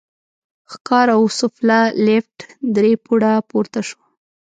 ښکار او سوفله، لېفټ درې پوړه پورته شو.